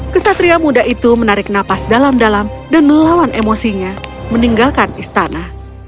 kesatria muda itu menarik nafas dalam dalam dan melawan emosinya meninggalkan istana